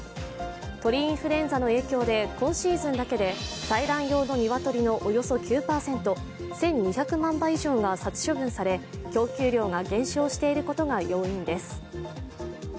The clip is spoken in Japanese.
鳥インフルエンザの影響で今シーズンだけで採卵用の鶏のおよそ９％１２００万羽以上が殺処分され供給量が減少していることが要因です。